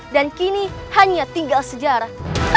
dan kini hanya tinggal sejarah